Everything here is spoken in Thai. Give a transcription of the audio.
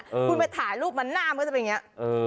คุณไปถ่ายรูปมันหน้ามันก็จะเป็นอย่างนี้